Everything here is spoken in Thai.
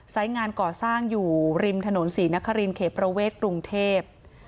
งานก่อสร้างอยู่ริมถนนศรีนครินเขตประเวทกรุงเทพ